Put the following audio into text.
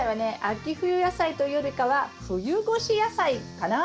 秋冬野菜というよりかは冬越し野菜かな。